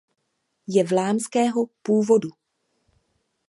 Je vlámského původu.